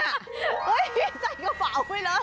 เฮ้ยใส่กระเป๋าไปแล้ว